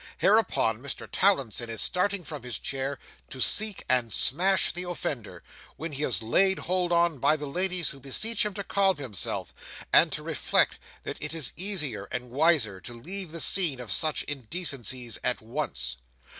Hereupon, Mr Towlinson is starting from his chair, to seek and "smash" the offender; when he is laid hold on by the ladies, who beseech him to calm himself, and to reflect that it is easier and wiser to leave the scene of such indecencies at once.